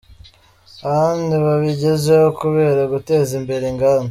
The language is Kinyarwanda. Ahandi babigezeho kubera guteza imbere inganda.